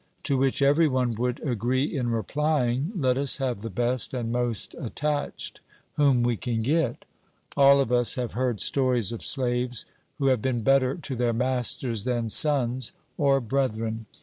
To which every one would agree in replying, Let us have the best and most attached whom we can get. All of us have heard stories of slaves who have been better to their masters than sons or brethren.